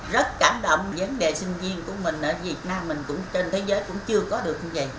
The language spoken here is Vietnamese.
rất cảm động vấn đề sinh viên của mình ở việt nam mình cũng trên thế giới cũng chưa có được như vậy